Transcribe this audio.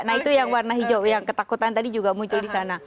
nah itu yang warna hijau yang ketakutan tadi juga muncul di sana